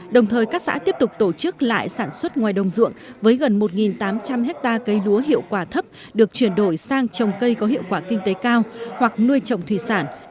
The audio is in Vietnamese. đồng thời các xã tiếp tục tổ chức lại sản xuất ngoài đồng ruộng với gần một tám trăm linh hectare cây lúa hiệu quả thấp được chuyển đổi sang trồng cây có hiệu quả kinh tế cao hoặc nuôi trồng thủy sản